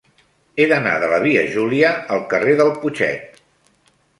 He d'anar de la via Júlia al carrer del Putxet.